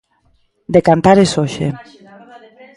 De Cantares hoxe.